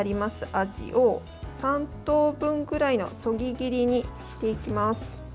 アジを三等分ぐらいのそぎ切りにしていきます。